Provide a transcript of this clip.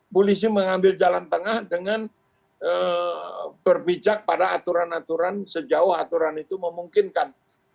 polisi mengambil jalan tengah dengan berbijak pada aturan aturan sejauh aturan itu memungkinkan